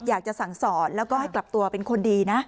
อยากจะสั่งสอนแล้วก็ให้กลับตัวเป็นคนดีนะ